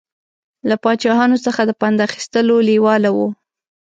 له پاچاهانو څخه د پند اخیستلو لېواله و.